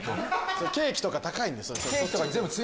ケーキとか高いんです。